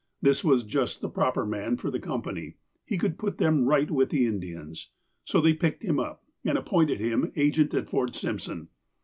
This was just the proper man for the Com pany : he could put them right with the Indians. So they picked him up, and appointed him agent at Fort Simpson.